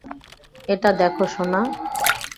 এই দেখো সোনা।